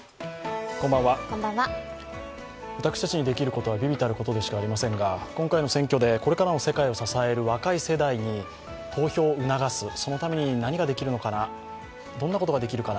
私たちにできることは微々たることでしかありませんが今回の選挙でこれからの世界を支える若い世代に投票を促すために何ができるのかなどんなことができるかな